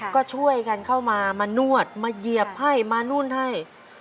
ก็ช่วยกันเข้ามามานวดมาเหยียบให้มานู่นให้